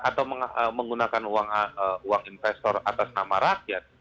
atau menggunakan uang investor atas nama rakyat